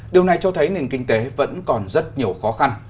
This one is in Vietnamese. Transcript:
điều này cho thấy nền kinh tế vẫn còn rất nhiều khó khăn